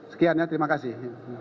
sekian ya terima kasih